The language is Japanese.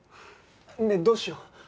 ねえどうしよう？